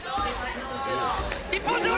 一本背負！